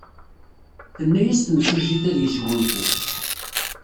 Tenna-as temsujjit ad yesgunfu.